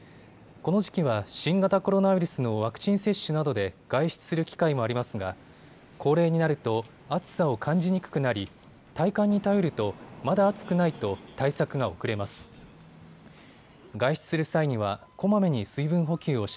この時期は新型コロナウイルスのワクチン接種などで外出する機会もありますが高齢になると暑さを感じにくくなり体感に頼るとまだ暑くないと対策が遅れます。